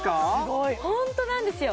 ホントなんですよ